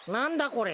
これ。